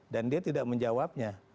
dan dia tidak menjawabnya